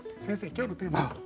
今日のテーマは？